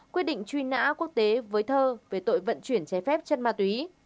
quyết định truy nã quốc tế với thơ về tội vận chuyển chế phép chân ma túy